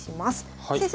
先生